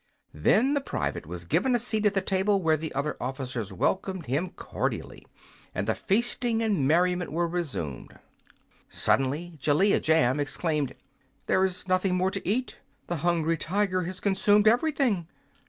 Then the private was given a seat at the table, where the other officers welcomed him cordially, and the feasting and merriment were resumed. Suddenly Jellia Jamb exclaimed: "There is nothing more to eat! The Hungry Tiger has consumed everything!"